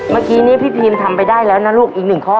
เมื่อกี้นี้พี่พีมทำไปได้แล้วนะลูกอีกหนึ่งข้อ